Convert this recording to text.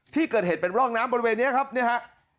ที่เกิดเหตุเป็นร่องน้ำบริเวณนี้ครับเนี่ยฮะ